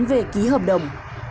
về ký hợp đồng